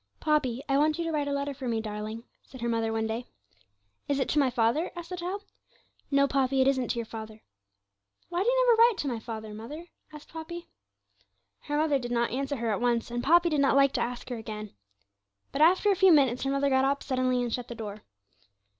'Poppy, I want you to write a letter for me, darling,' said her mother one day. 'Is it to my father?' asked the child. 'No, Poppy; it isn't to your father.' 'Why do you never write to my father, mother?' asked Poppy. Her mother did not answer her at once, and Poppy did not like to ask her again. But after a few minutes her mother got up suddenly and shut the door.